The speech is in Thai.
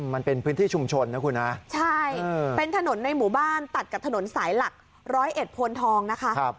มันเป็นพื้นที่ชุมชนนะคุณฮะใช่เป็นถนนในหมู่บ้านตัดกับถนนสายหลักร้อยเอ็ดโพนทองนะคะ